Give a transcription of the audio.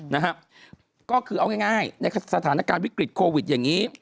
นะฮะก็คือเอาง่ายในสถานการณ์วิกฤตโควิดอย่างนี้